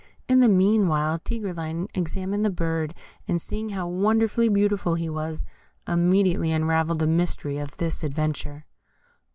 In the meanwhile, Tigreline examined the bird, and seeing how wonderfully beautiful he was, immediately unravelled the mystery of this adventure.